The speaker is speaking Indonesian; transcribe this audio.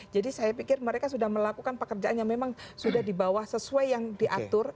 jadi saya pikir mereka sudah melakukan pekerjaan yang memang sudah dibawa sesuai yang diatur